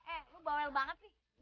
eh lo bawel banget sih